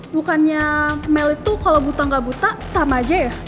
bukannya mel itu kalau buta nggak buta sama aja ya